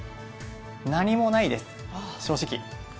何もないです、正直。